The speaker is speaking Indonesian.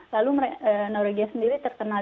lalu neurogia sendiri terkenal